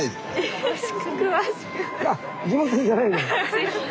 すいません。